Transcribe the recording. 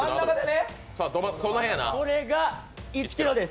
これが１ｋｇです。